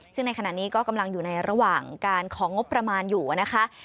ซึ่งในขณะนี้ก็กำลังอยู่ในระหว่างการของงบประมาณอยู่นะคะ